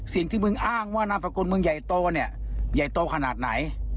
สิ่งที่มึงอ้างว่านามสกุลมึงใหญ่โตเนี่ยใหญ่โตขนาดไหน